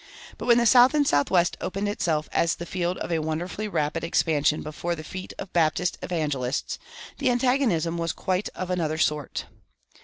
But when the South and Southwest opened itself as the field of a wonderfully rapid expansion before the feet of the Baptist evangelists, the antagonism was quite of another sort.